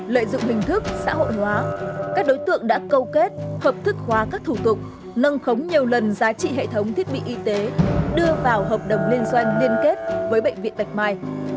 lợi dụng hình thức xã hội hóa các đối tượng đã câu kết hợp thức hóa các thủ tục nâng khống nhiều lần giá trị hệ thống thiết bị y tế đưa vào hợp đồng liên doanh liên kết với bệnh viện bạch mai